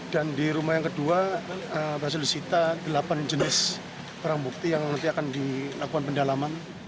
dan di rumah yang kedua s disita delapan jenis barang bukti yang nanti akan dilakukan pendalaman